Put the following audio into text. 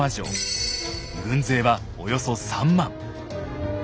軍勢はおよそ３万。